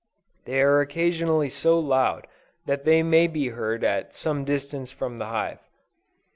They are occasionally so loud that they may be heard at some distance from the hive.